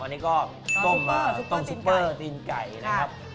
อันนี้ก็ต้มซุปเปอร์ตีนไก่นะครับ